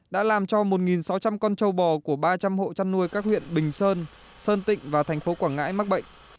đã làm cho một sáu trăm linh con trâu bò của ba trăm linh hộ chăn nuôi các huyện bình sơn sơn tịnh và thành phố quảng ngãi mắc bệnh